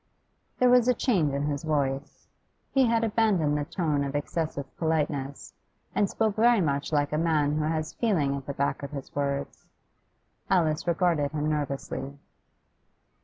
There was a change in his voice. He had abandoned the tone of excessive politeness, and spoke very much like a man who has feeling at the back of his words. Alice regarded him nervously.